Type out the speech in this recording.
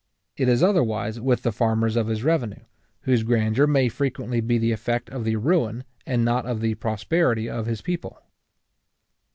It is otherwise with the farmers of his revenue, whose grandeur may frequently be the effect of the ruin, and not of the prosperity, of his people.